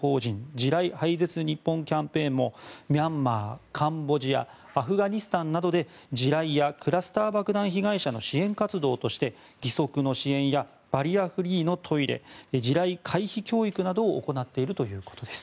地雷廃絶日本キャンペーンもミャンマー、カンボジアアフガニスタンなどで地雷やクラスター爆弾被害者の支援活動として義足の支援やバリアフリーのトイレ地雷回避教育などを行っているということです。